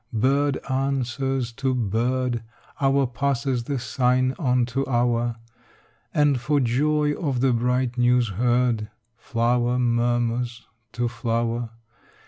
Bird answers to bird, Hour passes the sign on to hour, And for joy of the bright news heard Flower murmurs to flower.